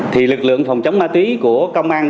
thì lực lượng phòng chống ma túy của công an